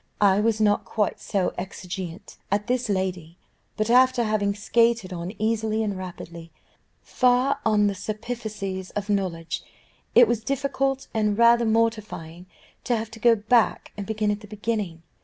I was not quite so exigeante as this lady; but, after having skated on easily and rapidly, far on the superficies of knowledge, it was difficult and rather mortifying to have to go back and begin at the beginning.